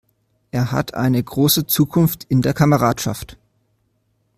Er hat eine große Zukunft in der Kameradschaft!